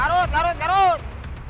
tarut tarut tarut